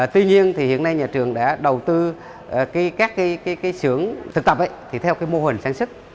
tuy nhiên hiện nay nhà trường đã đầu tư các xưởng thực tập theo mô hình sản xuất